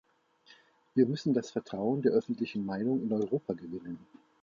Wir müssen das Vertrauen der öffentlichen Meinung in Europa gewinnen.